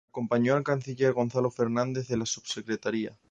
Acompañó al canciller Gonzalo Fernández en la subsecretaría.